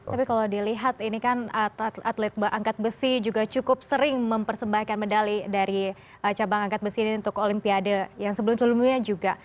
tapi kalau dilihat ini kan atlet angkat besi juga cukup sering mempersembahkan medali dari cabang angkat besi ini untuk olimpiade yang sebelum sebelumnya juga